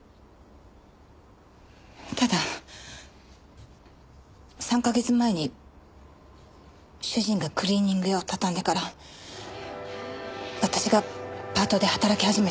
ただ３か月前に主人がクリーニング屋をたたんでから私がパートで働き始めたんです。